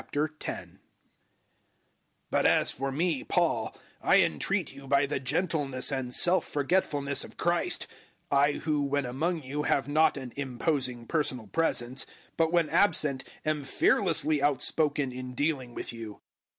010:001 But as for me Paul, I entreat you by the gentleness and self forgetfulness of Christ I who when among you have not an imposing personal presence, but when absent am fearlessly outspoken in dealing with you.